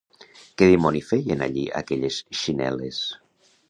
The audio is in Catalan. Què dimoni feien allí aquelles xinel·les?